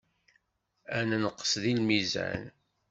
Ad nenqes deg lmizan.